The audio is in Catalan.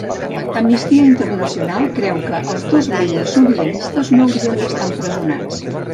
Amnistia Internacional creu que els dos líders sobiranistes no haurien d'estar empresonats